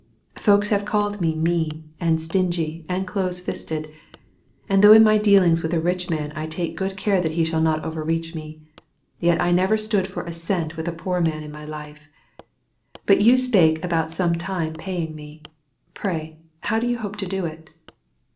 Folks have called me mean, and stingy, and close fisted; and though in my dealings with a rich man I take good care that he shall not overreach me, yet I never stood for a cent with a poor man in my life. But you spake about some time paying me; pray, how do you hope to do it?"